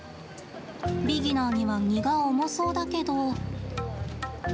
ビギナーには荷が重そうだけど。